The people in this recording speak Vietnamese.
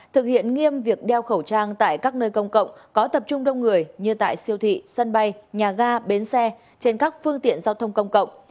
thực hiện nghiêm việc đeo khẩu trang tại các nơi công cộng có tập trung đông người như tại siêu thị sân bay nhà ga bến xe trên các phương tiện giao thông công cộng